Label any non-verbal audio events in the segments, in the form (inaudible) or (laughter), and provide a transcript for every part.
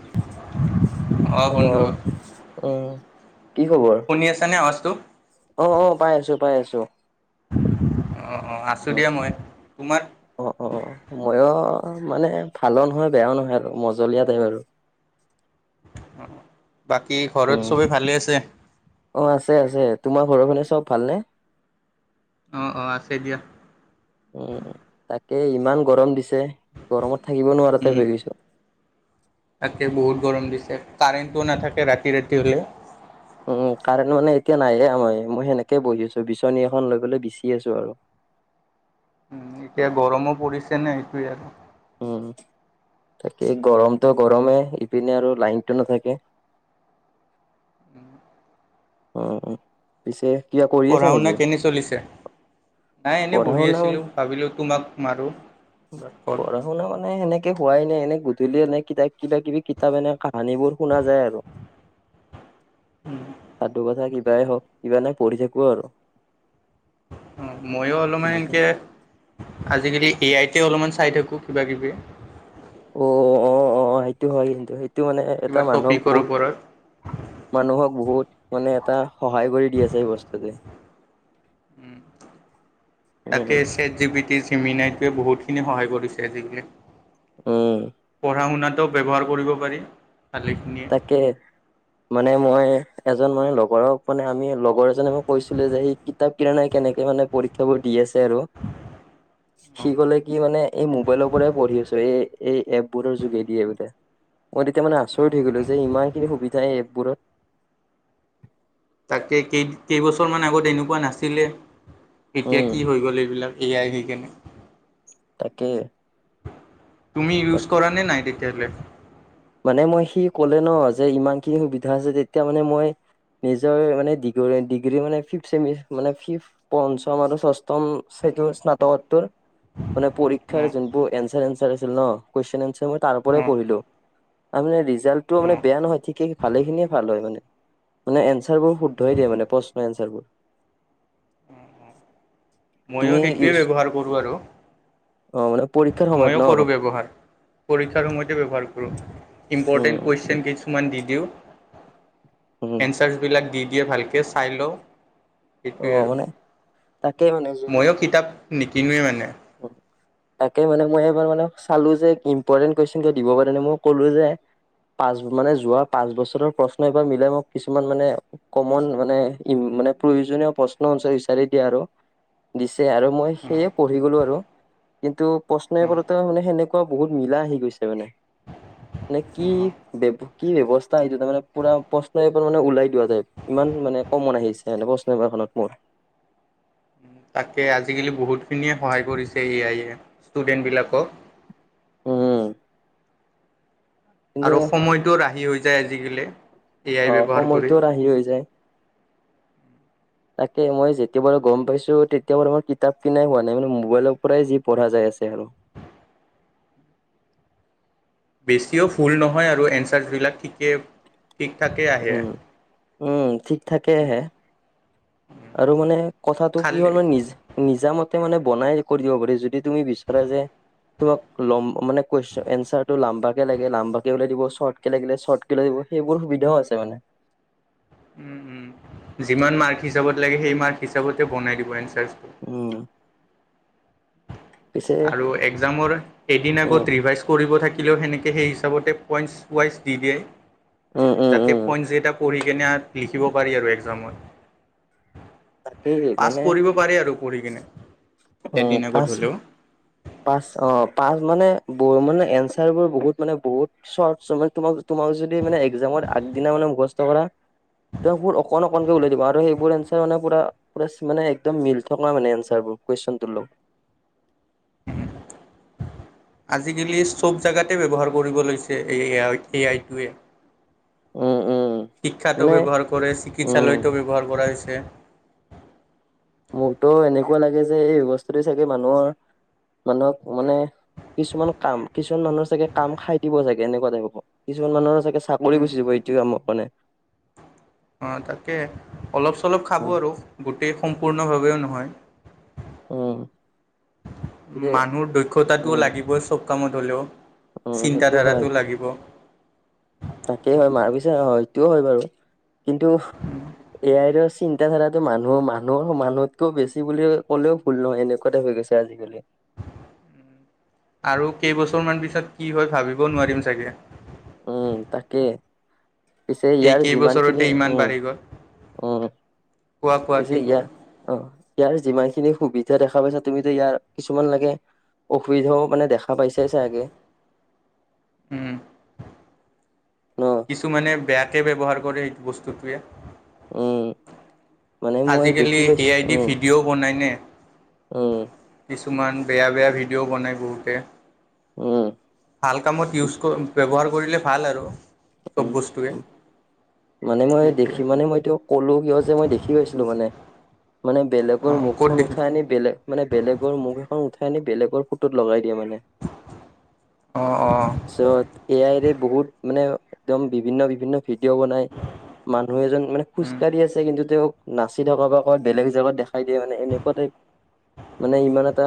(unintelligible) অ, উম, কি খবৰ? শুনি আছানে আৱাজটো অ অ পাই আছো পাই আছো। অ অ আছো উম দিয়া মই তোমাৰ অ অ অ ময়ো অ মানে ভালো নহয় বেয়াও নহয় আৰু মজলীয়া টাইপ আৰু। বাকী উম, ঘৰত চবেই ভালে আছে? অ', আছে আছে তোমাৰ ঘৰৰ ফালে চব ভালনে? অ অ আছে দিয়া। এ ইমান গৰম দিছে, গৰমত থাকিব নোৱাৰা উম টাইপ হৈ গৈছো। তাকে বহুত গৰম দিছে। কাৰেণ্টটো নাথাকে ৰাতি ৰাতি হলে। উম কাৰেণ্ট মানে এতিয়া নাইয়ে আমাৰ ইয়াত, মই সেনেকে বহি আছো বিচনী এখন লৈ পেলাই বিচি আছো আৰু। উম এতিয়া গৰমো পৰিছে ন এইটোৱে আৰু। উম, তাকে গৰমতো গৰমে ইপিনে আৰু লাইনটো নাথাকে। (inaudible) অ পিছে কিবা কৰি আছা পঢ়া শুনা নেকি? কেনে চলিছে? নাই এনে পঢ়া বহি শুনা আছিলো ভাবিলো তোমাক মাৰো। পঢ়া শুনা মানে সেনে কে হোৱাই নাই এনে গধূলি এনে কিতাপ কিবা কিবি কিতাপ এনে কাহানী বোৰ শুনা যায় আৰু। (inaudible) সাধু কথা কিবাই হওক, কিবা এনেই পঢ়ি থাকো আৰু। অঁ মইয়ো অলপমান বাকী এনেকে, আজিকালি এ আই তে অলপমান চাই থাকোঁ কিবা কিবি। অ অ অ সেইটো হয় কিন্তু সেই টো মানে এটা কিবা মানুহক টপিকৰ বহুত ওপৰত মানুহক বহুত মানে এটা সহায় কৰি দি আছে এই বস্তুটোৱে। উম তাকে কয়ছেট জি, পি, টি জেমিনাইটোৱে বহুতখিনি সহায় কৰিছে আজিকালি। উম' পঢ়া শুনাটো ব্যৱহাৰ কৰিব পাৰি। ভালেখিনিয়ে। তাকে মানে, মই এজন মানে লগৰক মানে আমি লগ লগৰজনে মই কৈছিলো যে, সেই কিতাপ কিনা নাই কেনেকে মানে পৰীক্ষাবোৰ দি আছে আৰু, সি অ', কলে কি মানে, এই মোবাইলৰ পৰাই পঢ়ি আছো, এই এই এপ বোৰৰ যোগেদিয়ে বোলে, মই তেতিয়া মানে আচৰিত অ', হৈ গ'লো অ', যে ইমান খিনি সুবিধা যায়, এপবোৰত তাকে কেই, কেইবছৰমান আগত এনেকোৱা নাছিলে, এতিয়া উম কি হৈ গ'ল এইবিলাক। এয়াই বিজ্ঞানী তাকে তুমি ইউজ কৰা নে নাই তেতিয়া হ'লে! মানে মই সি ক'লে ন, যে ইমানখিনি সুবিধা আছে তেতিয়া মানে মই নিজৰ মানে ডিগ ডিগ্ৰী মানে ফিফ্ট চেমি মানে ফিফ, পঞ্চম আৰু ষষ্ঠম তো' স্নাতকত্তৰ মানে পৰীক্ষাৰ অ', যোনবোৰ এনচাৰ এনচাৰ আছিল ন, কুৱেশন এনচাৰ মই তাৰ পৰাই অ', পঢ়িলো। তাৰ মানে, ৰিজাল্টটো মানে অ', বেয়া নহয় ঠিকেই, ভালে খিনিয়ে ভাল হয় মানে্ মানে এঞ্চাৰবোৰ শুদ্ধই দিয়ে মানে, প্ৰশ্ন এঞ্চাৰবোৰ। উম উম মইয়ো ইউজ সেইটোৱে ব্যৱহাৰ কৰোঁ আৰু অ মানে পৰীক্ষাৰ সময়ত ময়ো ন কৰোঁ ব্যৱহাৰ, পৰীক্ষাৰ সময়তে ব্যৱহাৰ কৰোঁ ইম্পৰ্টেণ্ট উম কুৱেশন কিছুমান দি দিওঁ, উম এনচাৰছ বিলাক দি দিয়ে ভালকৈ চাই লওঁ, অ সেইটোৱেই আৰু, মানে তাকেই মানে যদি ময়ো কিতাপ নিকিনোৱে মানে উম, তাকে মানে মই এইবাৰ মানে চালো যে, ইম্পৰ্টেণ্ট কুৱেশন কে দিব পেৰে নে, মই কলো যে পাঁচ মানে যোৱা পাঁচ বছৰৰ প্ৰশ্ন এইবাৰ মিলাই মোক কিছুমান মানে, কমন মানে ইম মানে প্ৰয়োজনীয় প্ৰশ্ন এনচাৰ বিচাৰি দিয়া আৰু দি আৰু মই অ'। সেয়ে পঢ়ি গ'লো আৰু, কিন্তু অ', প্ৰশ্নবোৰতো মানে সেনেকুৱ বহুত মিলা আহি গৈছে মানে, নে, কি অ', বে কি ব্যৱস্থা এইটো, তাৰ মানে পুৰা প্ৰশ্ন এবাৰ মানে উলাই দিয়া যায়, ইমান মানে কমন আহিছে মানে, প্ৰশ্ন পেপাৰখন অলপ পৰঢ়্ (unintelligible) উম (inaudible) তাকে আজিকালি বহুতখিনিয়ে সহায় কৰিছে, এ আইয়ে ষ্টুডেণ্টবিলাকক। উম' কিন্তু আৰু সময়টো ৰাহি হৈ যায় আজিকালি। এ অ আই ব্যৱহাৰ কৰি। সময়টোৰ আহি হৈ যায় উম (inaudible) তাকে মই যেতিয়া পৰা গম পাইছো তেতিয়া পৰা মোৰ কিতাপ কিনাই হোৱা নাই মানে মোবাইলৰ পৰাই যি পঢ়া যায় আছে। হেল্ল' (inaudible) বেছিও ফুল নহয় আৰু, এনচাৰছবিলাক ঠিকে ঠিক ঠাকেই আহে। উম। উম ঠিক থাকে আহে আৰু মানে কথাটো কি খালি হ'ল মানে নিজ নিজামত ত' মানে বনাই কৰিব, বা পাৰি যদি তুমি বিচাৰা যে তোমাক লম, মানে কুৱেশন এনচাৰটো লাম্বাকে লাগীলে লাম্ব কে ওলাই দিব শ্বৰ্ট কে লাগিলে শ্বৰ্ট কে ওলাই দিব। সেইবোৰ সুবিধাও আছে মানে। উম উম যিমান মাৰ্ক হিচাপত লাগে, সেই মাৰ্ক হিচাপতে বনাই দিব এনছ- দেজ উম পিছে আৰু একজামৰ এদিন উম আগত ৰিভাইত কৰিব থাকি- কিলো সেনেকে সেই হিচাপতে পইণ্টছ ৱাইজ দি দিয়ে। উম উম উম যাতে পইন্টছ কেইটা পঢ়ি কিনে লিখিব পাৰি আৰু একজামত। তাকেই পাছ মানে কৰিব পাৰি আৰু পঢ়ি কিনে এদিন আগত হ'লেও। পাছ অ পাছ মানে-মানে এনচাৰ বোৰ বহুত মানে বহুত চ তোমাৰ (unintelligible) মই যদি মানে একজামৰ আগদিনা মানে মুখস্থ কৰা। তবোৰ অকণ অকনকে উলাই দিব আৰু সেইবোৰ এনচাৰ মানে পৰা মানে একদম মিল থকা মানে এনচাৰবোৰ। কুৱেশনটোৰ লগ (inaudible) আজিকালি চব জেগাতে ব্যৱহাৰ কৰিব লৈছে এ আইটোৱে উ শিক্ষাটো ব্যৱহাৰ কৰে উম চিকিৎসালয়টো ব্যৱহাৰ কৰা হৈছে (unintelligible) (unintelligible) মোৰতো এনেকুৱা লাগে যে এই ব্যৱস্থাটোৱে চাগে মানুহৰ মানুহক মানে (unintelligible) (unintelligible) কিছুমান কাম কিছুমান মানুহৰ চাগে কাম খাই দিব চাগে এনেকুৱা টাইপ কিছুমান মানুহৰ চাগে (unintelligible) (inaudible) চাকৰি উম গুচি যাব এইটো কামক মানে (unintelligible) অঁ তাকে অলপ-চলপ খাব উম। আৰু গোটেই সম্পূৰ্ণভাৱেও নহয় (unintelligible) উম এতিয়া মানুহৰ দক্ষতাটোও লাগিবই চব কামত হ'লেও উম চিন্তাধাৰাটো লাগিব তাকে হয় মাৰ পিছে নটোও হয় বাৰু কিন্তু এয়াই চিন্তাধাৰাটো মানুহৰ মানুহ সমান মানুহতকৈও বেছি বুলি ক'লেও ভুল নহয় এনেকুৱাতে হৈ গৈছে আজিকালি। (inaudible) আৰু কেইবছৰ মান পিছত কি হয় ভাবিব নোৱাৰিম চাগে। উম তাকে পিছে এই ইয়াৰ কেইবছৰতে যিমানখিনি ইমান উম বাঢ়ি গ'ল উম। কোৱা কোৱা পিছে কি ইয়া কোৱা অ ইয়াৰ যিমানখিনি সুবিধা দেখা পাইছা তুমিতো ইয়াৰ কিছুমান লাগে। অসুবিধাও মানে দেখা পাইছে চাগে। উম ন কিছুমানে বেয়াকে ব্যৱহাৰ কৰে এইটো বস্তুটোৱে। উম মানে মই দেখি আজিকালি পাইছো এআই ডি উম ভিডিঅ' বনাই নে উম কিছুমান বেয়া বেয়া ভিডিঅ' বনাই বহুতে। উম ভাল কামত ইউজ ব্যৱহাৰ কৰিলে ভাল আৰু চব উম বস্তুৱে মানে মই সেইটোৱে দেখি মানে মইটো ক'লো কিয় যে মই দেখি পাইছিলো মানে। মানে বেলেগৰ অঁ ক'ত মুখখন দেখি উঠাই আনি বেলেগ মানে বেলেগৰ মুখ এখন উঠাই আনি বেলেগৰ ফটোত লগাই দিয়ে মানে অঁ অঁ চত এ আইৰে বহুত মানে একদম বিভিন্ন বিভিন্ন ভিডিঅ' বনাই মানুহ এজন মানে খোজকাঢ়ি আছে কিন্তু তেওঁ নাচি থকা বা ক'ৰবাত বেলেগ জেগাত দেখাই দিয়ে মানে এনেকুৱা টাইপ মানে ইমান এটা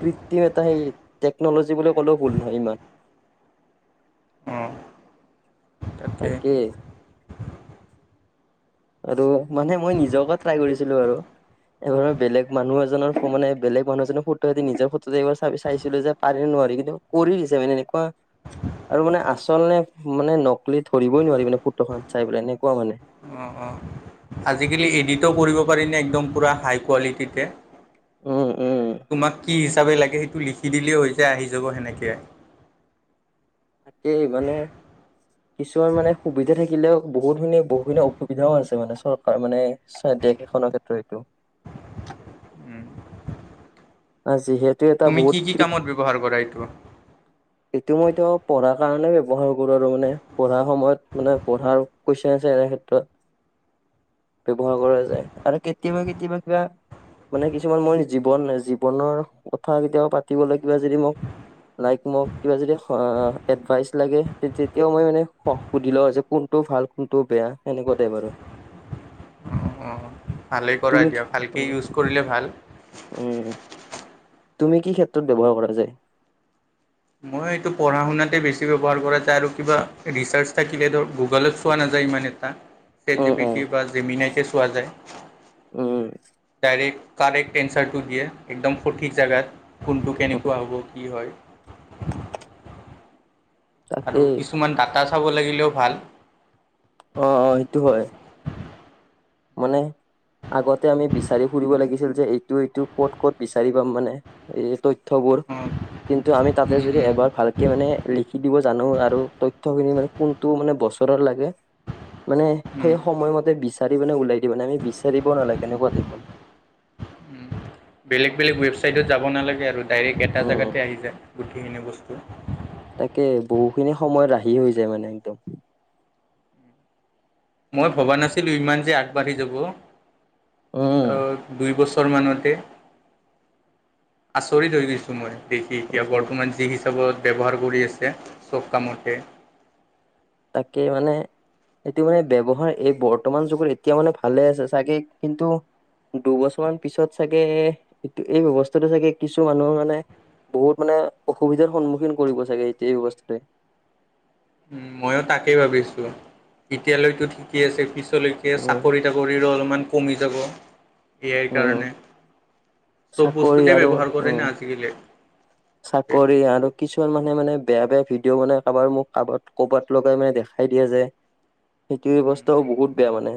কৃত্ৰিম এটা সেই টেকনলজি বুলি ক'লেও ভুল নহয় ইমান। উম তাকে আৰু মানে মই নিজকে ট্ৰাই কৰিছিলো আৰু (unintelligible) এবাৰৰ বেলেগ মানুহ এজনৰ মানে বেলেগ মানুহজনৰ ফটোৱে দি নিজৰ ফটো এইবাৰ চাইছিলো যে পাৰি নোৱাৰি। কৰি কিন্তু কৰি দিছে মানে এনেকুৱা। (unintelligible) আৰু মানে আচল নে মানে নকলেি ধৰিবই নোৱাৰি মানে ফটোখন চাই পেলাই এনেকুৱা মানে। অঁ অঁ আজিকালি এডিটো কৰিব পাৰিনে একদম পুৰা হাই কোৱালিটিতে। উম উম তোমাক কি? হিচাপে প লাগে সেইটো লিখি দিলে হৈ যায় আহি যাব সেনেকৈ। তাকেই মানে। (unintelligible) কিছুমান মানে সুবিধা থাকিলেও বহুতখিনি-বহুতখিনি অসুবিধাও আছে মানে চৰকাৰ মানে। দেশ এখনৰ ক্ষেত্ৰ এইটো। উম। আ যিহেতু। এটা তুমি বহুত কি কি কামত ব্যৱহাৰ কৰা এইটো? এইটো মইতো পঢ়াৰ কাৰণে ব্যৱহাৰ কৰো আৰু মানে পঢ়াৰ সময়ত মানে পঢ়াৰ কোৱেইছন আছে। তেনে ক্ষেত্ৰত। (inaudible) ব্যৱহাৰ কৰা যায় আৰু কেতিয়াবা কেতিয়াবা কিবা। মানে কিছুমান মই জীৱন জীৱনৰ কথা কেতিয়াবা পাতিবলৈ কিবা যদি মোক লাইক মোক কিবা যদি আহ এডভাইচ লাগে তেতিয়াও মই মানে সুধি লওঁ যে কোন টো ভাল কোনটো বেয়া সেনেকোৱা টাইপ আৰু। (inaudible) ভালেই কৰাই দিয়া ভালকে ইউজ কৰিলে ভাল। উ তুমি কি ক্ষেত্ৰত ব্যৱহাৰ কৰা যায়? মই এইটো পঢ়া শুনাতে বেছি ব্যৱহাৰ কৰা যায় আৰু কিবা ৰিচাৰ কি বা এইটো গুগলত চোৱা নাযা। যায় ইমান এটা, চেট উম জি উম পিটি বা জেমিনাইকে চোৱা যায়। উম ৰেট কাৰেক্ট এন্স্বেৰটো দিয়ে একদম সঠিক জাগাত, কোনটো কেনেকুৱা হ'ব কি হয়। (inaudible) আৰু তাকেই কিছুমান ডাটা চাব লাগিলেও ভাল। অ অ সেইটো হয়। মানে আগতে আমি বিচাৰি ফুৰিব লাগিছিল যে এইটো এইটো ক'ত ক'ত বিচাৰি পাম মানে, এই তথ। থবুৰ কিন্তু আমি তাতে যদি এবাৰ ভালকে মানে লিখি দিব জানো আৰু তথ্যখিনি মানে কোনটো মানে বছৰৰ লাগে। মানে সেই সময়মতে বিচাৰ। সেই মানে ওলাই দিও মানে আমি বিচাৰিব নালাগে, কেনেকুৱা জীবন। বেলেগ বেলেগ ৱেবছাইটত যাব নালাগে আৰু ডাইৰেক্ট এটা উম জেগাতে আহি যায়, গোটেইখিনি বস্তু। তাকে বহুখিনি সময়ত ৰাহি হৈ যায় মানে একদম। মই ভবা নাছিলোঁ ইমান যে আগবাঢ়ি যাব, উম। ত দুই বছ ছৰ মানতে আচৰিত হৈ গৈছোঁ মই। দেখি এতিয়া উম, বৰ্তমান যি হিচাপত ব্যৱহাৰ কৰি আছে চব কামতে। তাকেই মানে। এইটো মানে ব্যৱহাৰ এই বৰ্তমান যুগত এতিয়া মানে ভালে আছে চাগে কিন্তু। দুবছৰমানান পিছত চাগে এ এই ব্যবস্থাটো চাগে কিছু মানুহৰ মানে। বহুত মানে অসুবিধাৰ সন্মুখীন কৰিব চাগে এই এই অৱস্থায়ে। উ ময়ো তাকে ভাবিছো এতিয়ালৈতো ঠিকেই আছে পিছ লৈকে উম, চাকৰি তাকৰি অলপমান কমি যাব। এয়াই উম। কাৰণে, চব চাকৰি বস্তুতে আৰু ব্যৱহাৰ কৰে উম। ন আজিকালি। চাকৰি আৰু কিছুমান মানে মানে বেয়া বেয়া ভি ভিডিঅ মানে কাৰোবাৰ মোখ কাবাত ক'বাত লগাই মানে দেখাই দিয়ে যে। সেইটো অৱস্থাও বহুত বেয়া মানে।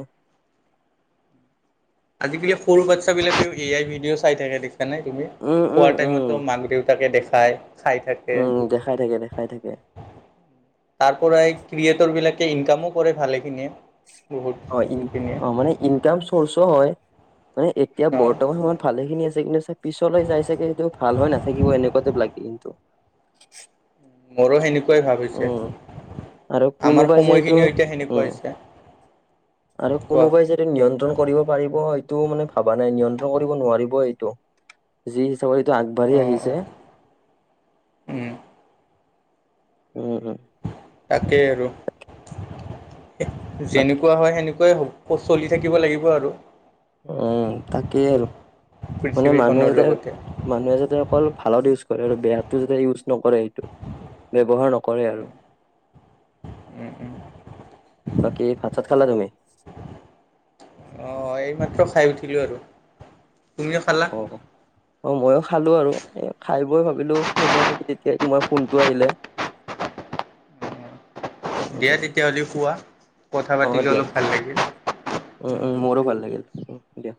উম আজিকালি সৰু বাচ্ছাব বিলাকে এ আই ভিডিঅ' চাই থাকে দেখিছানে তুমি? উম, খোৱা উম, উম, টাইমতো মাক দেউ তাকে দেখায়। খাই থাকে, উম দেখাই থাকে দেখাই থাকে। তাৰ পৰাই ক্ৰিয়েটৰ বিলাক কে ইনকামো কৰে ভালেখিনিয়ে। হই বহুতখিনিয়ে অ মানে ইনকাম চৰ্চাও হয়। মান এতিয়া অঁ বৰ্তমান সময়ত ভালে খিনি আছে কিন্তু পিছলৈ যাই চাগে সটো ভাল নাথাকিব এনেকুৱা টাইপ লাগে। ত মোৰো সেনেকুৱাই ভাবিছে আৰু আমাৰ কোনোবাই যে এইটো সময়খিনিও এতিয়া সেনেকুৱা উম হৈছে আৰু কোৱা কোনোবাই যদি নিয়ন্ত্ৰণ কৰিব পাৰিব সিটোও মনত ভবা নাই নিয়ন্ত্ৰণ কৰিব নোৱাৰিব এইটো যি হৈ চবে এতিয়া আগবাঢ়ি অঁ আহিছে অঁ উম উম', - উম', তাকেই আৰু বাকী যেনেকুৱা হয় সেনেকুৱাই হ'ব চলি থাকিব লাগিব আৰু উম', তাকেই আৰু মানে মানুহে পৃথিৱীখনৰ যে লগতে মানুহে যাতে অকল ভালত ইউজ আৰু বেয়াটো যাতে ইউজ নকৰে সেইটো ব্যৱহাৰ নকৰে আৰু উম উম বাকী ভাত চাত খালা তুমি? হয়, এইমাত্ৰ খাই উঠিলোঁ আৰু তুমিও খালা অ', - অ', মইও খালোঁ আৰু খাই বৈ ভাবিলোঁ শুমে নেকি তেতিয়াই তোমাৰ ফোনটো আহিলে উম দিয়া উম তেতিয়াহ'লে শোৱা কথা অ পাতি দিয়া ললোঁ ভাল লাগিল উম', উম', মোৰো ভাল লাগিল দিয়া উ', দিয়া